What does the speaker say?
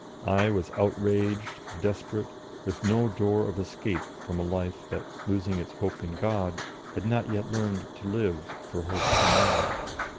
I was outraged, desperate, with no door of escape from a life that, losing its hope in God, had not yet learned to live for hope for man.